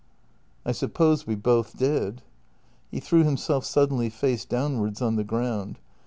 " I suppose we both did." He threw himself suddenly face downwards on the ground.